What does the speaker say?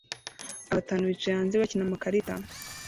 Abantu batanu bicaye hanze bakina amakarita